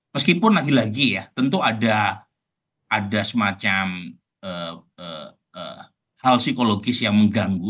meskipun lagi lagi ya tentu ada semacam hal psikologis yang mengganggu